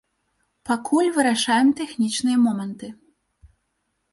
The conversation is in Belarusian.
Пакуль вырашаем тэхнічныя моманты.